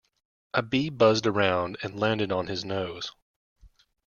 A bee buzzed around and landed on his nose.